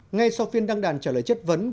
ngay sau phiên đăng đàn trả lời chất vấn